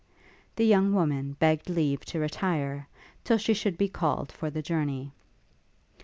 The young woman begged leave to retire, till she should be called for the journey.